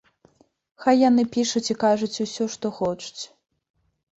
Хай яны пішуць і кажуць усё, што хочуць.